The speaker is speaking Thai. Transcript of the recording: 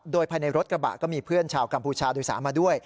โดยภายในรถกระบะก็มีเพื่อนชาวกัมพูชาโดยสารมาด้วย